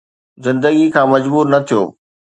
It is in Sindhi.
زندگيءَ کان مجبور نه ٿيو.